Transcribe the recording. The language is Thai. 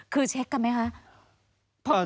คือเช็คกันไหมคะ